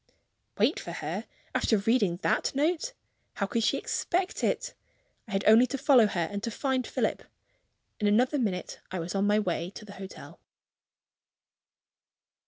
Wait for her, after reading that note! How could she expect it? I had only to follow her, and to find Philip. In another minute, I was on my way to the hotel.